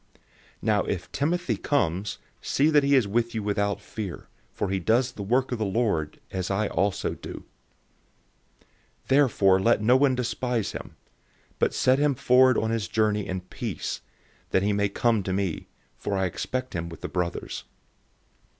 016:010 Now if Timothy comes, see that he is with you without fear, for he does the work of the Lord, as I also do. 016:011 Therefore let no one despise him. But set him forward on his journey in peace, that he may come to me; for I expect him with the brothers.